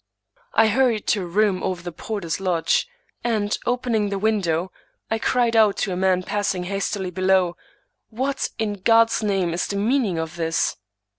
I hurried to a room over the porter's lodge, and, opening the window, I cried out to a man passing hastily below, " What, in God's name, is the meaning of this